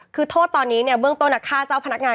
คือโทษตอนนี้เนี่ยเบื้องต้นฆ่าเจ้าพนักงาน